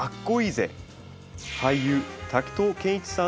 俳優滝藤賢一さん